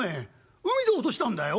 海で落としたんだよ。